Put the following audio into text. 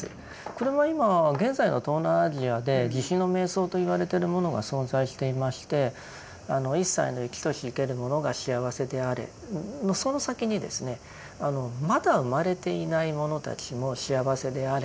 これは今現在の東南アジアで「慈悲の瞑想」と言われてるものが存在していまして一切の生きとし生けるものが幸せであれのその先にですねまだ生まれていないものたちも幸せであれっていうのが出てくるんです。